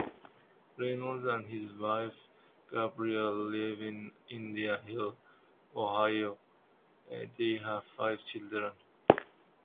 Reynolds and his wife, Gabrielle, live in Indian Hill, Ohio; they have five children.